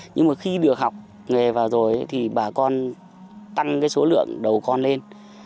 nhưng mà khi được học nghề vào rồi thì bà con tăng cái số lượng đầu con lên